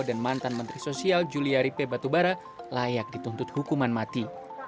dan mantan menteri sosial julia ripe batubara layak dituntut hukuman mati